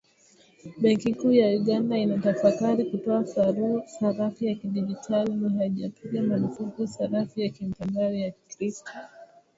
Benki kuu ya Uganda inatafakari kutoa sarafu ya kidigitali, na haijapiga marufuku sarafu ya kimtandao ya krypto